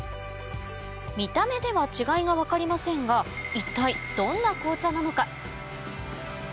見た目では違いが分かりませんが一体どんな紅茶なのか？